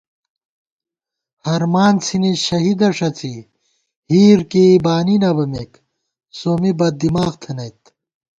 ہرمان څِھنی شہیدہ ݭڅی ہِیر کېئی بانی نہ بَمېک سومّی بد دِماغ تھنَئیت